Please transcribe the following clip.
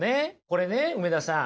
これね梅田さん